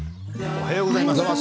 おはようございます。